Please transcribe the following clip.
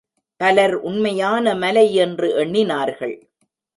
பலர் உண்மையான மலை என்று எண்ணினார்கள்.